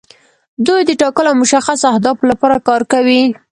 دوی د ټاکلو او مشخصو اهدافو لپاره کار کوي.